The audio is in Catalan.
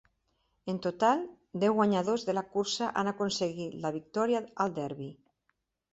En total, deu guanyadors de la cursa han aconseguit la victòria al Derby.